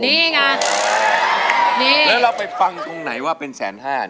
แล้วเราไปฟังตรงไหนว่าเป็นแสนห้าเนี่ย